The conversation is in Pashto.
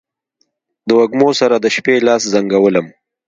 د وږمو سره، د شپې لاس زنګولم